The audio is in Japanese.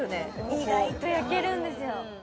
意外と焼けるんですよ